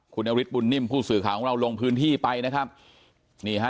คุณนฤทธบุญนิ่มผู้สื่อข่าวของเราลงพื้นที่ไปนะครับนี่ฮะ